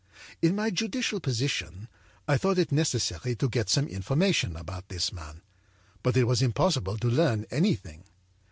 âIn my judicial position I thought it necessary to get some information about this man, but it was impossible to learn anything.